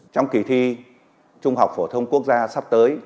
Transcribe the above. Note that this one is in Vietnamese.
trong kỳ thi trung học phổ thông quốc gia